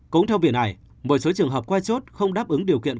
cũng theo viện này một số trường hợp qua chốt không đáp ứng điều kiện